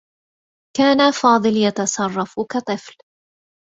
كان فاضل يتصرّف كطفل.